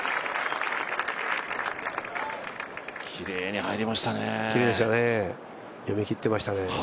きれいに入りましたね。